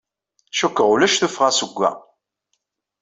Cikkeɣ ulac tuffɣa seg-a.